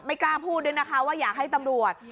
กล้าพูดด้วยนะคะว่าอยากให้ตำรวจ